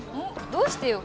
どうしてよ？